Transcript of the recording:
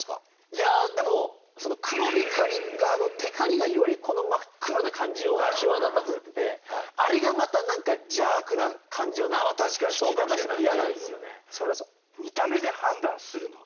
いやでも黒光りがあのテカリがより真っ黒な感じを際立たせててあれがまた何か邪悪な感じをね引き立たせてイヤなんですよね。